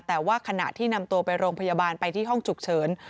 แต่ว่าขณะที่นำตัวไปโรงพยาบาลไปที่ห้องฉุกเฉิน